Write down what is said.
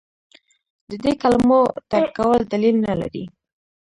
د دې کلمو ترک کول دلیل نه لري.